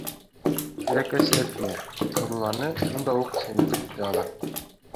Тәләкәсе Әлфиә Нурулланы шунда уҡ семетеп тә ала: